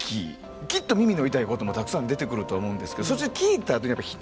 きっと耳の痛いこともたくさん出てくるとは思うんですけどそして聞いたあとやっぱり否定しない。